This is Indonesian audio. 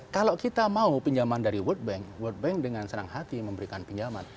kalau kita mau pinjaman dari world bank world bank dengan senang hati memberikan pinjaman